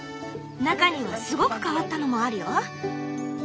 中にはすごく変わったのもあるよ。